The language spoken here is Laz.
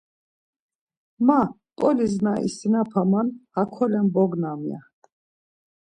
Ma P̌olis na isinapaman hakolen bognam ya.